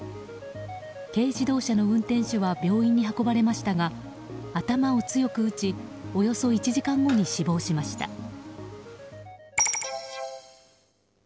軽自動車の運転手は病院に運ばれましたが頭を強く打ちおよそ１時間後に死亡しました。